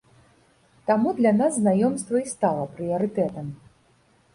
Таму для нас знаёмства і стала прыярытэтам.